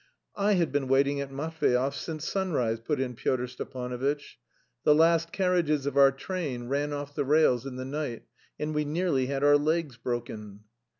"I had been waiting at Matveyev since sunrise," put in Pyotr Stepanovitch. "The last carriages of our train ran off the rails in the night, and we nearly had our legs broken."